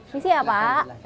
misi ya pak